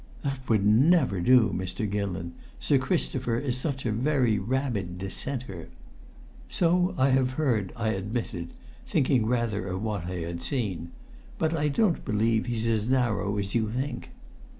"That would never do, Mr. Gillon. Sir Christopher is such a very rabid Dissenter." "So I have heard," I admitted, thinking rather of what I had seen. "But I don't believe he's as narrow as you think."